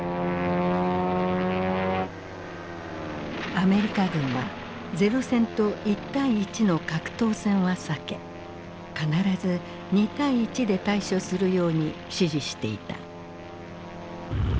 アメリカ軍は零戦と１対１の格闘戦は避け必ず２対１で対処するように指示していた。